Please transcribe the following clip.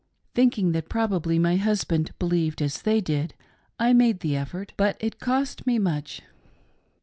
Thinking that probably my husband believed as they did, I made the effort, but it cost me much.